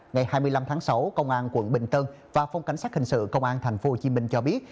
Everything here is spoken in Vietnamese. ngày hai mươi năm tháng sáu công an quận bình tân và phòng cảnh sát hình sự công an tp hcm cho biết